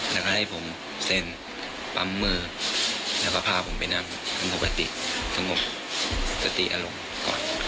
แล้วก็ให้ผมเซ็นปั๊มมือแล้วก็พาผมไปนั่งเป็นปกติสงบสติอารมณ์ก่อน